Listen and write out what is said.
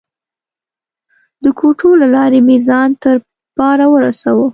د کوټو له لارې مې ځان تر باره ورساوه.